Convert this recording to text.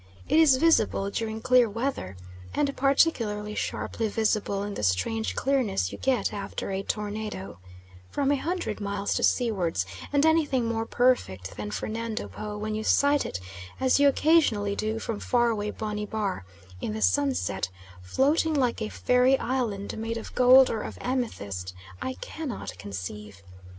It is visible during clear weather (and particularly sharply visible in the strange clearness you get after a tornado) from a hundred miles to seawards, and anything more perfect than Fernando Po when you sight it, as you occasionally do from far away Bonny Bar, in the sunset, floating like a fairy island made of gold or of amethyst, I cannot conceive.